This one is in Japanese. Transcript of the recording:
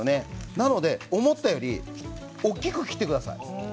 なので、思ったより大きく切ってください。